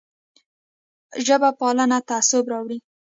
ژب پالنه تعصب راوړي